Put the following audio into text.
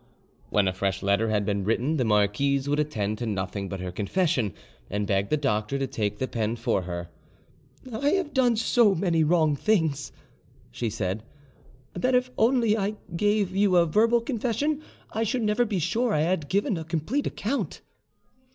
When a fresh letter had been written, the marquise would attend to nothing but her confession, and begged the doctor to take the pen for her. "I have done so many wrong thing's," she said, "that if I only gave you a verbal confession, I should never be sure I had given a complete account."